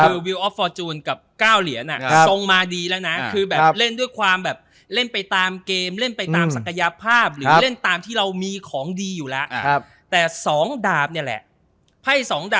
มึนเวียนนักแตะอาจจะมีการ